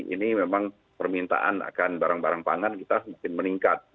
ini memang permintaan akan barang barang pangan kita semakin meningkat